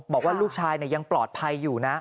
บอกว่าลูกชายยังปลอดภัยอยู่นะ